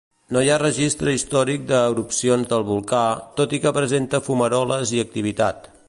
No hi ha registre històric d'erupcions del volcà, tot i que presenta fumaroles i activitat.